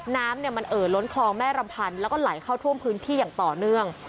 น้ำมันเอ่อล้นคลองแม่รำพันธ์แล้วก็ไหลเข้าท่วมพื้นที่อย่างต่อเนื่อง